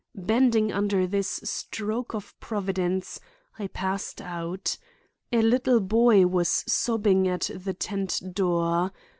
Bending under this stroke of Providence, I passed out. A little boy was sobbing at the tent door.